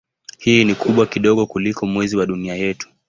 Hii ni kubwa kidogo kuliko Mwezi wa Dunia yetu.